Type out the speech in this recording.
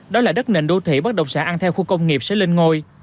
đó là đất nền đô thị bất động sản ăn theo khu công nghiệp sẽ lên ngôi